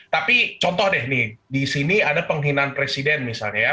tapi contoh deh nih di sini ada penghinaan presiden misalnya ya